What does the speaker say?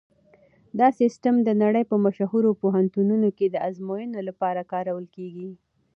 دا سیسټم د نړۍ په مشهورو پوهنتونونو کې د ازموینو لپاره کارول کیږي.